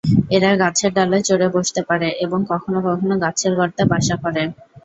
এরা গাছের ডালে চড়ে বসতে পারে এবং কখনো কখনো গাছের গর্তে বাসা করে।